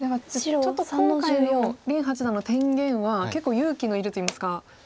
ちょっと今回の林八段の天元は結構勇気のいるといいますか。